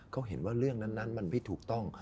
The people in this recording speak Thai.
เขาเห็นว่าเรื่องนั้นมันไม่ถูกต้อง